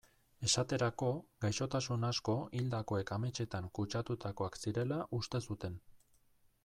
Esaterako, gaixotasun asko hildakoek ametsetan kutsatutakoak zirela uste zuten.